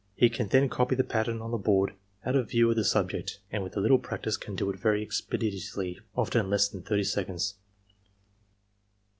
He can then copy the pattern on the board out of view of the subject, and with a little practice, can do it very expeditiously — often in less than 30 seconds.